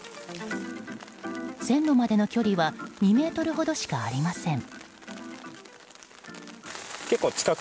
線路までの距離は２ｍほどしかありません。